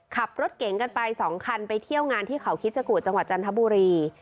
ขับรถเก่งกันไป๒คันไปเที่ยวงานที่เขาคิดชะกุจังหวัดจันทบุรี